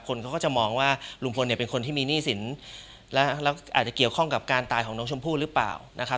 คนเขาก็จะมองว่าลุงพลเนี่ยเป็นคนที่มีหนี้สินแล้วอาจจะเกี่ยวข้องกับการตายของน้องชมพู่หรือเปล่านะครับ